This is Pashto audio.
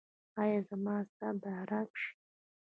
ایا زما اعصاب به ارام شي؟